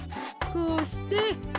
こうして。